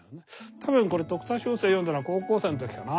多分これ徳田秋声を読んだのは高校生の時かな。